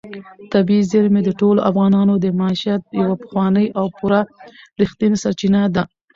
طبیعي زیرمې د ټولو افغانانو د معیشت یوه پخوانۍ او پوره رښتینې سرچینه ده.